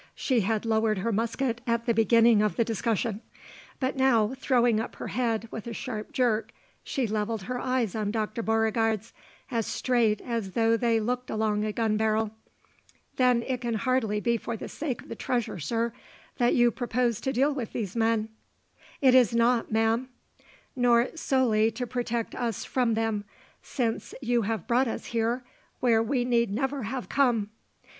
She had lowered her musket at the beginning of the discussion; but now, throwing up her head with a sharp jerk, she levelled her eyes on Dr. Beauregard's, as straight as though they looked along a gun barrel. "Then it can hardly be for the sake of the treasure, sir, that you propose to deal with these men." "It is not, ma'am." "Nor solely to protect us from them, since you have brought us here, where we need never have come."